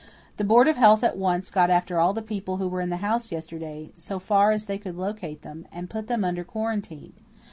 The Board of Health at once got after all the people who were in the house yesterday, so far as they could locate them, and put them under quarantine.